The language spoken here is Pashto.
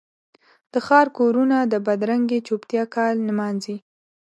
د ښار کورونه د بدرنګې چوپتیا کال نمانځي